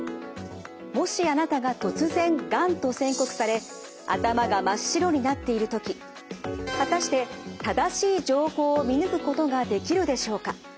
もしあなたが突然がんと宣告され頭が真っ白になっている時果たして正しい情報を見抜くことができるでしょうか？